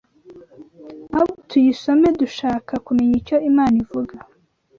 ahubwo tuyisome dushaka kumenya icyo Imana ivuga.